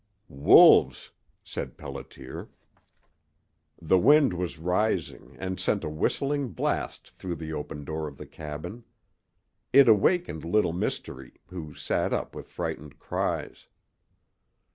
"Wolves!" said Pelliter. The wind was rising, and sent a whistling blast through the open door of the cabin. It awakened Little Mystery, who sat up with frightened cries.